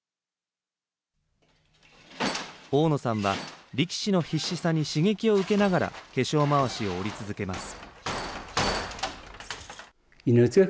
大野さんは力士の必死さに刺激を受けながら化粧まわしを織り続けます。